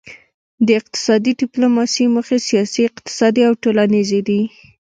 د اقتصادي ډیپلوماسي موخې سیاسي اقتصادي او ټولنیزې دي